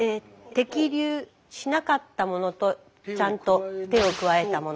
摘粒しなかったものとちゃんと手を加えたもの。